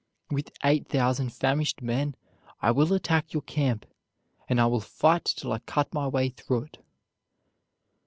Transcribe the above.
With eight thousand famished men I will attack your camp, and I will fight till I cut my way through it."